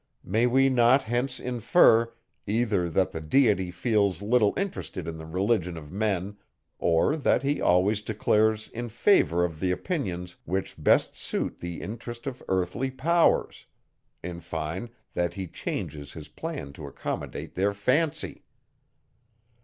May we not hence infer, either that the Deity feels little interested in the religion of men, or that he always declares in favour of the opinions, which best suit the interest of earthly powers; in fine, that he changes his plan to accommodate their fancy?